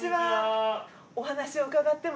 お話を伺っても？